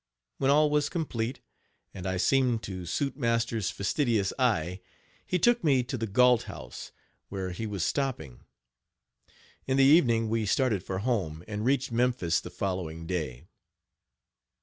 When all was complete, and I seemed to suit master's fastidious eye, he took me to the Gault House, where he was stopping. In the evening we started for home, and reached Memphis the following day.